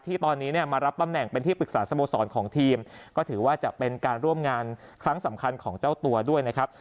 ตอนนี้เนี่ยมารับตำแหน่งเป็นที่ปรึกษาสโมสรของทีมก็ถือว่าจะเป็นการร่วมงานครั้งสำคัญของเจ้าตัวด้วยนะครับ